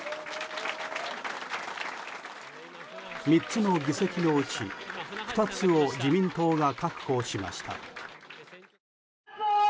３つの議席のうち２つを自民党が確保しました。